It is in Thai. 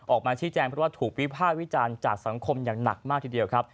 ออกมาชี้แจงเพราะว่าถูกวิภาควิจารณ์จากสังคมอย่างหนักมากทีเดียวครับ